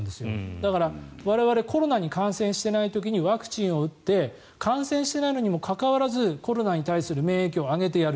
だから、我々コロナに感染していない時にワクチンを打って感染してないにもかかわらずコロナに対する免疫を上げてやる。